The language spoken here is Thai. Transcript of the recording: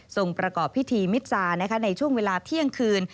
ส่งประกอบพิธีมิจราในช่วงเวลาที่ขึ้น